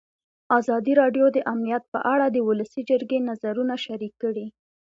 ازادي راډیو د امنیت په اړه د ولسي جرګې نظرونه شریک کړي.